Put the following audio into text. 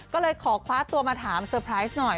ก็เลยขอคว้าตัวมาถามเซอร์ไพรส์หน่อย